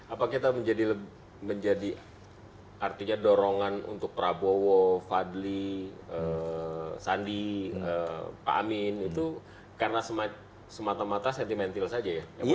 apa kita menjadi artinya dorongan untuk prabowo fadli sandi pak amin itu karena semata mata sentimental saja ya